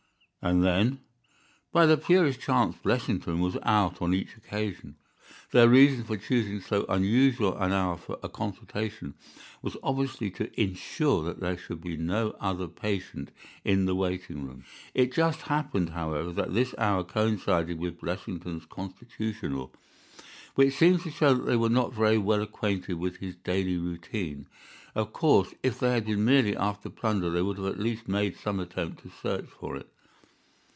"And then?" "By the purest chance Blessington was out on each occasion. Their reason for choosing so unusual an hour for a consultation was obviously to insure that there should be no other patient in the waiting room. It just happened, however, that this hour coincided with Blessington's constitutional, which seems to show that they were not very well acquainted with his daily routine. Of course, if they had been merely after plunder they would at least have made some attempt to search for it.